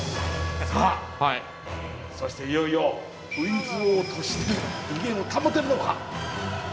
◆さあ、そしていよいよ、クイズ王としての威厳を保てるのか。